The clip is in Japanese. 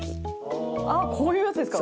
あっこういうやつですか？